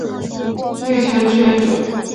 对拳支援者